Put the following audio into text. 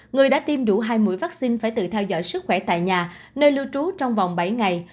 người đã tiêm đủ hai mũi vaccine phải tự theo dõi sức khỏe tại nhà nơi lưu trú trong vòng bảy ngày